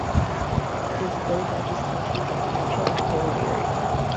It is the third-largest county in New Hampshire by total area.